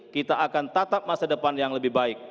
kita akan tatap masa depan yang lebih baik